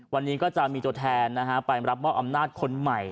วันนี้ก็จะมีตัวแทนไปรับมอบอำนาจคนใหม่